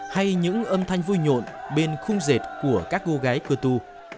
hay những âm thanh vui nhộn bên khung rệt của các cô gái cơ tu